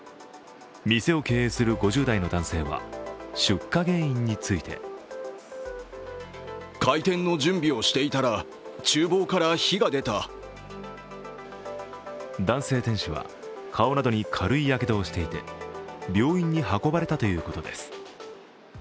店を経営する５０代の男性は出火原因について男性店主は、顔などに軽いやけどをしていて、病院に運ばれたということです。